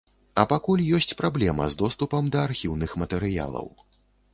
А пакуль ёсць праблема з доступам да архіўных матэрыялаў.